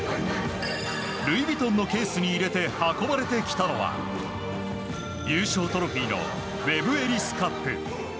ルイ・ヴィトンのケースに入れて運ばれてきたのは優勝トロフィーのウェブ・エリス・カップ。